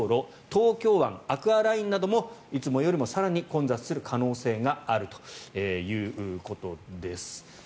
東京湾アクアラインなどもいつもよりも更に混雑する可能性があるということです。